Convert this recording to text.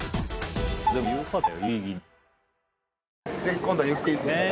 でもよかったよ